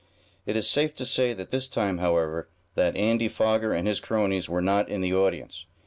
It is safe to say this time, however, that Andy Foger and his cronies were not in the audience.